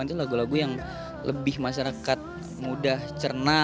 itu lagu lagu yang lebih masyarakat mudah cerna